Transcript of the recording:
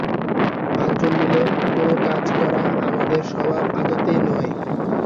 পাঁচজন মিলে কোন কাজ করা আমাদের স্বভাব আদতেই নয়।